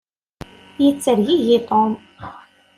Yettergigi Tom.